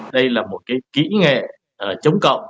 đây là một cái kỹ nghệ chống cộng